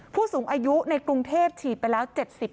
ผู้สูงอายุในกรุงเทพฉีดไปแล้ว๗๐